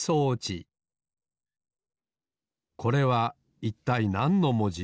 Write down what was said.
これはいったいなんのもじ？